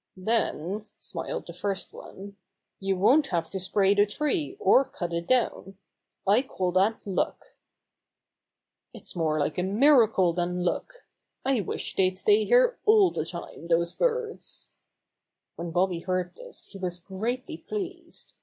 "Then," smiled the first one, "you won't have to spray the tree or cut it down. I call that luck." "It's more like a miracle than luck. I wish they'd stay here all the time, those birds." When Bobby heard this he was greatly pleased.